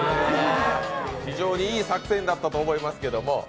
非常にいい作戦だったと思いますけど。